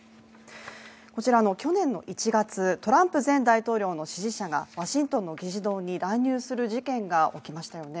去年の１月、トランプ前大統領の支持者がワシントンの議事堂に乱入する事件が起きましたよね。